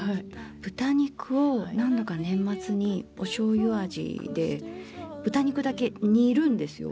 豚肉を何度か年末にお醤油味で豚肉だけ煮るんですよ。